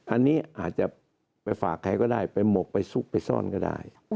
อันนี้อาจจะไปฝากใครก็ได้ไปหมกไปซุกไปซ่อนก็ได้